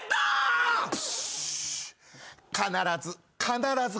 必ず。